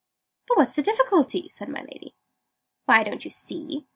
"But what's the difficulty?" said my Lady. "Why, don't you see?